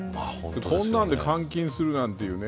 こんなんで換金するなんて言うね